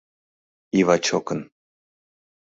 Ивачокын